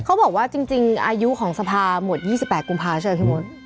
เขาบอกว่าจริงอายุของสภาหมด๒๘กุมภาคใช่ไหมพี่มด